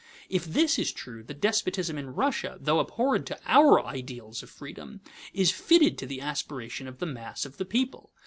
If this is true, the despotism in Russia, though abhorrent to our ideals of freedom, is fitted to the aspirations of the mass of the people.